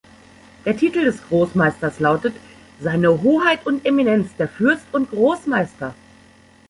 Der Titel des Großmeisters lautet "Seine Hoheit und Eminenz, der Fürst und Großmeister".